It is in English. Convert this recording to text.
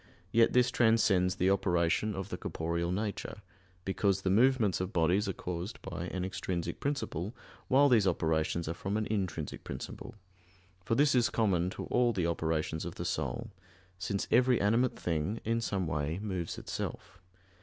Yet this transcends the operation of the corporeal nature; because the movements of bodies are caused by an extrinsic principle, while these operations are from an intrinsic principle; for this is common to all the operations of the soul; since every animate thing, in some way, moves itself.